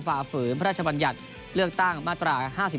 ฝ่าฝืนพระราชบัญญัติเลือกตั้งมาตรา๕๔